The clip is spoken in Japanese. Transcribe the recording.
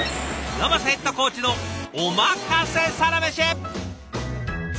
ラマスヘッドコーチの「おまかせサラメシ」！